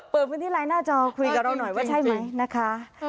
เปิดพื้นที่ไลน์หน้าจอคุยกับเราหน่อยว่าใช่ไหมนะคะ